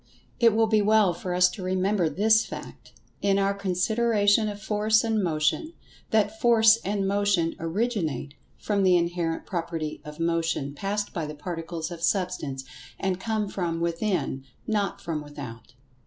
It will be well for us to remember this fact, in our consideration of Force and Motion—that[Pg 112] Force and Motion originate from the inherent property of Motion passed by the Particles of Substance, and come from within, not from without.